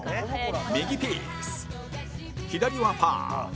右ピース左はパー